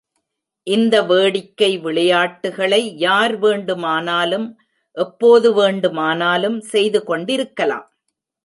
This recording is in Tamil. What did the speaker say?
இந்த வேடிக்கை விளையாட்டுகளை யார் வேண்டுமானாலும் எப்போது வேண்டுமானாலும் செய்து கொண்டிருக்கலாம்.